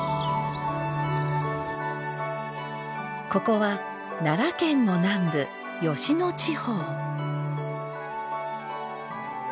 ここは奈良県の南部吉野地方。